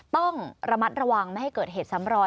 ต้องระมัดระวังไม่ให้เกิดเหตุซ้ำรอย